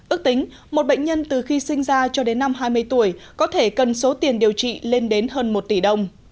ước tính một bệnh nhân từ khi sinh ra cho đến năm hai mươi tuổi có thể cần số tiền điều trị lên đến hơn một tỷ đồng